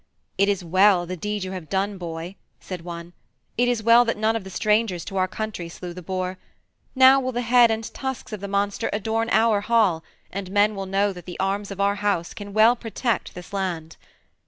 "It is well, the deed you have done, boy," said one; "it is well that none of the strangers to our country slew the boar. Now will the head and tusks of the monster adorn our hall, and men will know that the arms of our house can well protect this land."